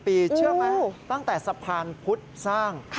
ปีเชื่อไหมตั้งแต่สะพานพุทธสร้าง